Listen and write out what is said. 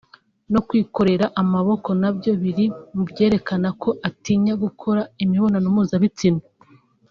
no kwikorera amaboko nabyo biri mubyerekana ko atinya gukora imibonano mpuzabitsina